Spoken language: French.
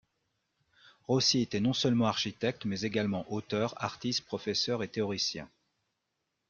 Rossi n'était non seulement architecte, mais également auteur, artiste, professeur et théoricien.